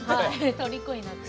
とりこになって。